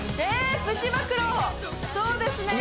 そうですね